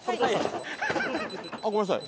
あっごめんなさい。